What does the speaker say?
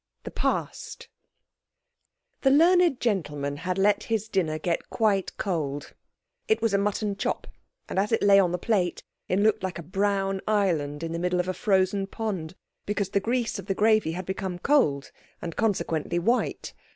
THE PAST The learned gentleman had let his dinner get quite cold. It was mutton chop, and as it lay on the plate it looked like a brown island in the middle of a frozen pond, because the grease of the gravy had become cold, and consequently white.